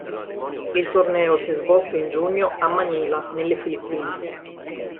Il torneo si è svolto in giugno a Manila nelle Filippine.